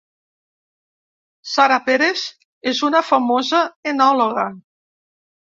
Sara Pérez és una famosa enòloga